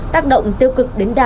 tác động tiêu cực đến đại dịch